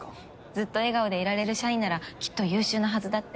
ずっと笑顔でいられる社員ならきっと優秀なはずだって。